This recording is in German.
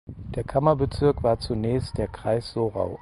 Der Kammerbezirk war zunächst der Kreis Sorau.